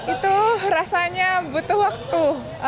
itu rasanya butuh waktu